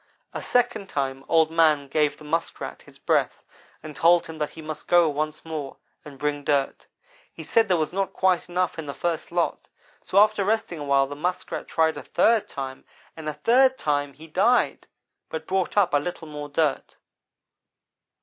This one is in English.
A second time Old man gave the Muskrat his breath, and told him that he must go once more, and bring dirt. He said there was not quite enough in the first lot, so after resting a while the Muskrat tried a third time and a third time he died, but brought up a little more dirt.